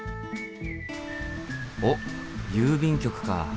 おっ郵便局か。